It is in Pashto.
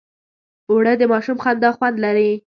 اوړه د ماشوم خندا خوند لري